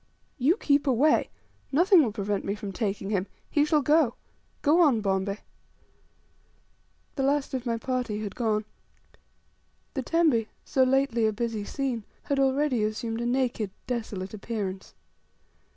"You keep away; nothing will prevent me from taking him. He shall go." "Go on, Bombay." The last of my party had gone. The tembe, so lately a busy scene, had already assumed a naked, desolate appearance.